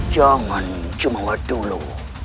jangan cemangat dulu